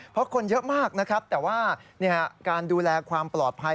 เพราะคนเยอะมากนะครับแต่ว่าการดูแลความปลอดภัย